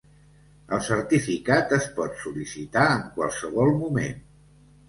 El certificat es pot sol·licitar en qualsevol moment.